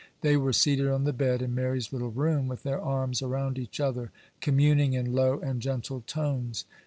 They were seated on the bed in Mary's little room, with their arms around each other, communing in low and gentle tones.